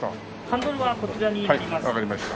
ハンドルはこちらになります。